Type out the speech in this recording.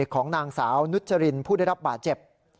ของนางสาวนุจรินผู้ได้รับบาดเจ็บ